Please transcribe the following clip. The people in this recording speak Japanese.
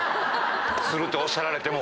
するとおっしゃられても。